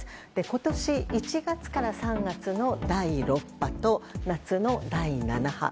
今年１月から３月の第６波と夏の第７波。